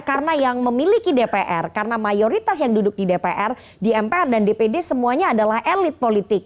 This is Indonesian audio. karena yang memiliki dpr karena mayoritas yang duduk di dpr di mpr dan dpd semuanya adalah elit politik